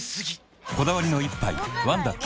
こだわりの一杯「ワンダ極」